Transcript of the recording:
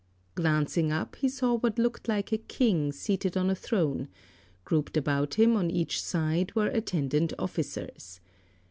Glancing up he saw what looked like a king seated on a throne; grouped about him on each side were attendant officers.